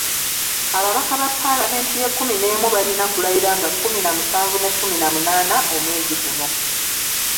Ababaka mu Palamenti y’ekkumi n'emu balina kulayira nga kkumi na musanvu n'ekkumi na munaana Omwezi guno.